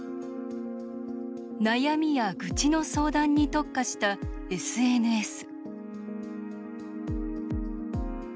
悩みや愚痴の相談に特化したＳＮＳ。